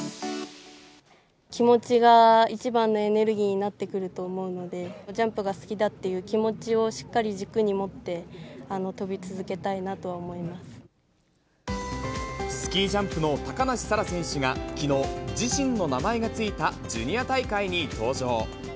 気持ちが一番のエネルギーになってくると思うので、ジャンプが好きだっていう気持ちをしっかり軸に持って、スキージャンプの高梨沙羅選手がきのう、自身の名前が付いたジュニア大会に登場。